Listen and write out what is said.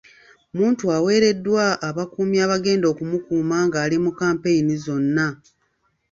Muntu aweereddwa abakuumi abagenda okumukuuma ng'ali mu kkampeyini zonna.